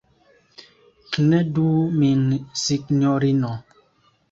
Knedu min, sinjorino!